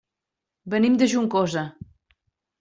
Venim de Juncosa.